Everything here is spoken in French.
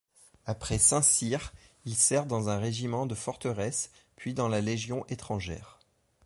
Après Saint-Cyr, il sert dans un régiment de forteresse, puis dans la Légion étrangère.